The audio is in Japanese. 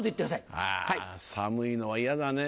あぁ寒いのは嫌だね。